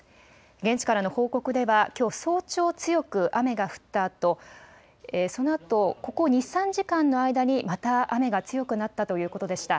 現地からの報告では、きょう早朝、強く雨が降ったあと、そのあと、ここ２、３時間の間に、また雨が強くなったということでした。